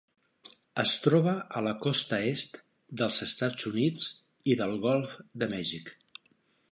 Es troba a la costa est dels Estats Units i del Golf de Mèxic.